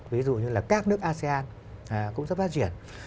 ví dụ như là các nước asean cũng rất phát triển